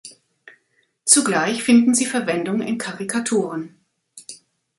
Zugleich finden sie Verwendung in Karikaturen.